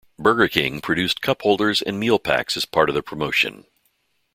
Burger King produced cup holders and meal packs as part of the promotion.